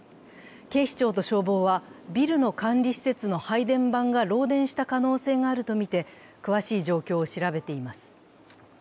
警視庁と消防は、ビルの管理施設の配電盤が漏電した可能性があるとみて、詳しい状況を調べています。